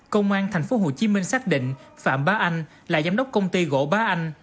công an tp hcm xác định phạm bá anh là giám đốc công ty gỗ bá anh